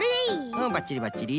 うんばっちりばっちり。